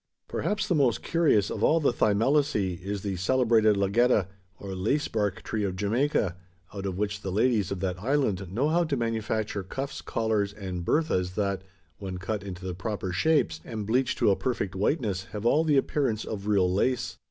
Perhaps the most curious of all the Thymelaceae is the celebrated Lagetta, or lace bark tree of Jamaica; out of which the ladies of that island know how to manufacture cuffs, collars, and berthas, that, when cut into the proper shapes, and bleached to a perfect whiteness, have all the appearance of real lace!